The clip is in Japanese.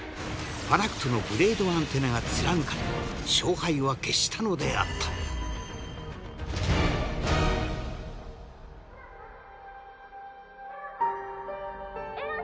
ファラクトのブレードアンテナが貫かれ勝敗は決したのであったエランさんエランさん。